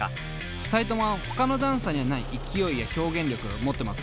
２人ともほかのダンサーにはない勢いや表現力を持ってます。